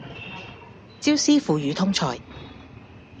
椒絲腐乳通菜